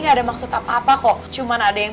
gak ada maksud apa apa kok cuma ada yang